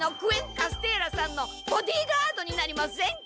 ・カステーラさんのボディーガードになりませんか？